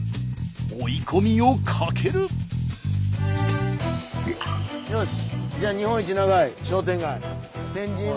追い込みをかける！よし！